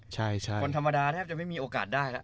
ใช่ใช่คนธรรมดาแทบจะไม่มีโอกาสได้